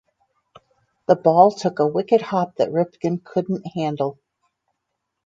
The ball took a wicked hop that Ripken couldn't handle.